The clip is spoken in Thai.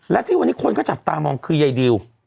และที่วันนี้คนก็จับตามองคือยายดิว